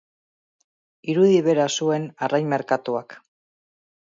Irudi bera zuen arrain merkatuak.